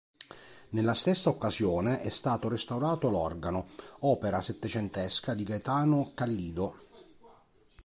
Nella stessa occasione è stato restaurato l'organo, opera settecentesca di Gaetano Callido.